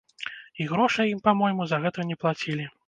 І грошай ім, па-мойму, за гэта не плацілі.